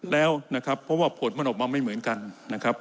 แล้วนะครับเพราะว่าผลมันออกมาไม่เหมือนกันนะครับ